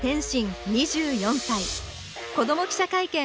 「子ども記者会見」